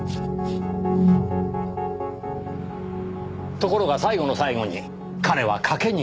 ところが最後の最後に彼は賭けに出たのです。